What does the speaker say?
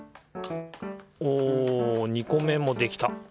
お２個目もできた。